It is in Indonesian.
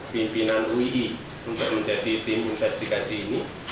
pimpinan uii untuk menjadi tim investigasi ini